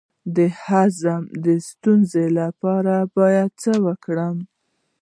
د هضم د ستونزې لپاره باید څه وکړم؟